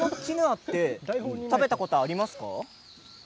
これは食べたことありますか。